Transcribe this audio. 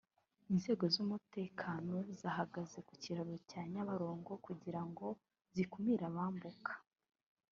inzego z’umutekano zahagaze ku Kiraro cya Nyabarongo kugira ngo zikumire abambuka